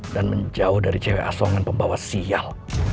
dan menjauh dari cewek asongan pembawa sial